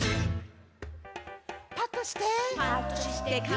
パッとして。